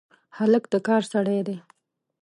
هلک د کار سړی دی.